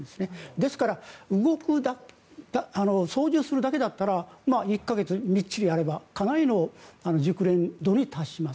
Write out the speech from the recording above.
ですから、操縦するだけだったらまあ、１か月みっちりやればかなりの熟練度に達します。